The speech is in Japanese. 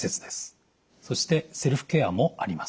そしてセルフケアもあります。